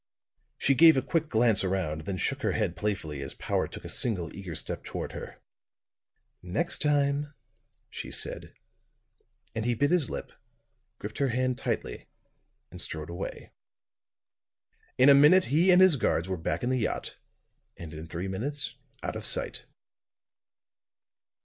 She gave a quick glance around, then shook her head playfully as Powart took a single eager step toward her. "Next time," she said; and he bit his lip, gripped her hand tightly, and strode away. In a minute he and his guards were back in the yacht, and in three minutes out of sight.